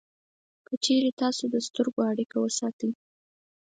که چېرې تاسې د سترګو اړیکه وساتئ